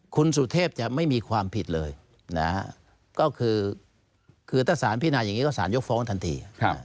คุณสุเทพจะไม่มีความผิดเลยก็คือถ้าสารพินาอย่างนี้ก็สารยกฟ้องทันที